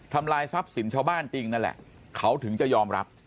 ทำลายทรัพย์สินชาวบ้านจริงนั่นแหละเขาถึงจะยอมรับ